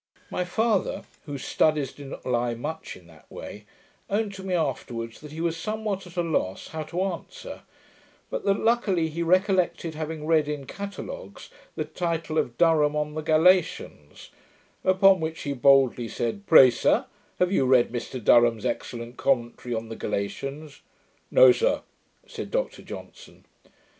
My father, whose studies did not lie much in that way, owned to me afterwards, that he was somewhat at a loss how to answer, but that luckily he recollected having read in catalogues the title of Durham On the Galatians; upon which he boldly said, 'Pray, sir, have you read Mr Durham's excellent commentary on the Galatians?' 'No, sir,' said Dr Johnson.